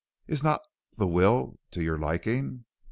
Is not the will to your liking?'